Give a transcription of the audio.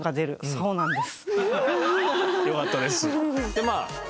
そうなんです。